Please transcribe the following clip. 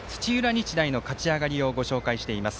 日大の勝ち上がりをご紹介しています。